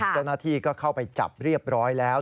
เจ้าหน้าที่ก็เข้าไปจับเรียบร้อยแล้ว